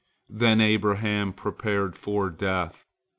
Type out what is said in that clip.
Then Abraham prepared for death.